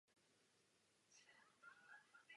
Má také protizánětlivé účinky.